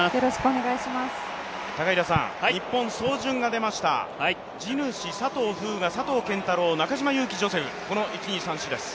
日本、走順が出ました、地主、佐藤風雅、佐藤拳太郎、中島佑気ジョセフ、この１、２、３、４です。